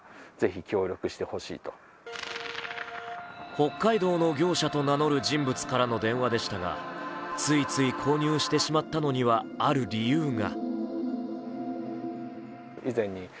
北海道の業者と名乗る人物からの電話でしたが、ついつい購入してしまったのにはある理由が。